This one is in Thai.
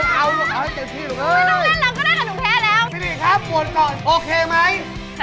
ฉันหาอะไรเกี่ยวกับก่อน